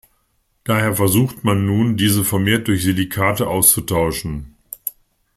Daher versucht man nun, diese vermehrt durch Silikate auszutauschen.